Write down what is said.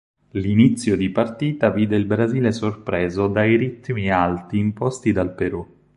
L'inizio di partita vide il Brasile sorpreso dai ritmi alti imposti dal Perù.